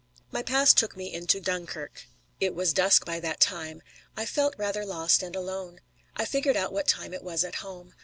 My pass took me into Dunkirk. It was dusk by that time. I felt rather lost and alone. I figured out what time it was at home.